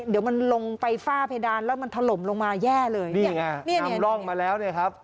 เดี๋ยวมันลงไปฝ้าเพดานแล้วมันถล่มลงมาแย่เลยเนี่ยนี่ร่องมาแล้วเนี่ยครับ